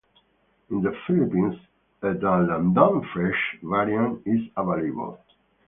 In the Philippines, a "Dalandan Fresh" variant is available.